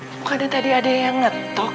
bukan ada tadi ada yang ngetok ya